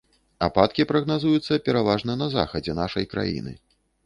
Ападкі прагназуюцца пераважна на захадзе нашай краіны.